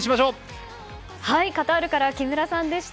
カタールから木村さんでした。